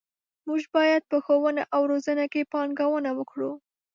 موږ باید په ښوونه او روزنه کې پانګونه وکړو.